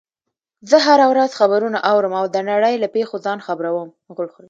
زه هره ورځ خبرونه اورم او د نړۍ له پیښو ځان خبر وم